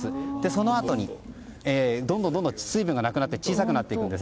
そのあとに、どんどんと水分がなくなって小さくなっていくんです。